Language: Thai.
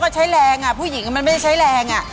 ก็ใช้แรงอะผู้หญิงมันไม่ใช้แรง